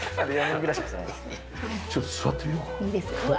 ちょっと座ってみようか。